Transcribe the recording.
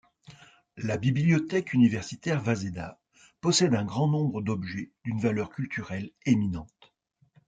La bibliothèque universitaire Waseda possède un grand nombre d'objets d'une valeur culturelle éminente.